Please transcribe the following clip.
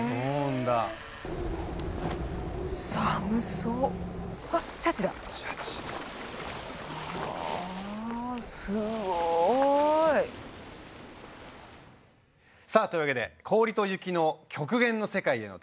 はあすごい！さあというわけで氷と雪の極限の世界への旅。